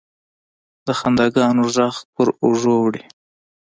د خنداګانو، ږغ پر اوږو وړي